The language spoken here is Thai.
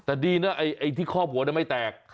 แต่ดีนะไอ้ที่คอบหัวไม่แตก